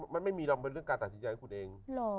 มันไม่มีเรื่องการตัดสินใจให้คุณเอง